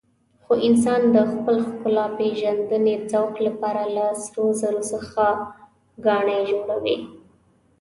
خو انسان د خپل ښکلاپېژندنې ذوق لپاره له سرو زرو څخه ګاڼې جوړوي.